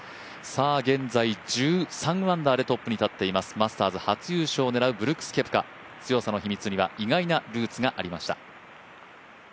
現在１３アンダーでトップに立っていますマスターズ初優勝を狙うブルックス・ケプカ強さの秘密には意外なルーツがありました。